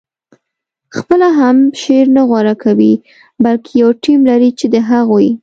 خپله هم شعر نه غوره کوي بلکې یو ټیم لري چې د هغوی